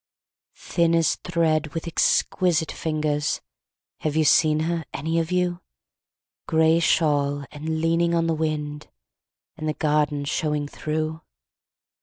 Thin as thread, with exquisite fingers, Have you seen her, any of you? Grey shawl, and leaning on the wind, And the garden showing through?